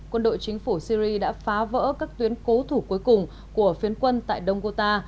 quân đội chính phủ syri đã phá vỡ các tuyến cố thủ cuối cùng của phiến quân tại đông gota